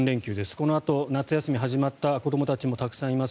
このあと、夏休みが始まった子どもたちもたくさんいます。